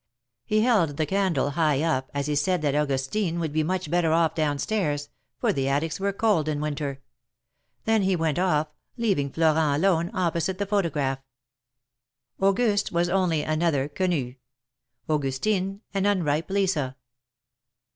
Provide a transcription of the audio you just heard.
He held the candle high up, as he said that Augustine would be much better off down stairs, for the attics were cold in winter. Then he went off, leaving Florent alone, opposite the photograph, Auguste was only another Quenu ; Augustine an unripe Lisa.